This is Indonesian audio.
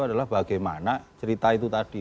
adalah bagaimana cerita itu tadi